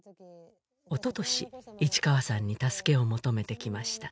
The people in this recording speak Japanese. おととし市川さんに助けを求めてきました